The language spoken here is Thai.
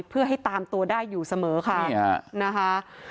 เพื่อให้ตามตัวได้อยู่เสมอค่ะนะคะ